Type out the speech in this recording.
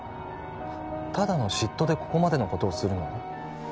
ただの嫉妬でここまでのことをするの？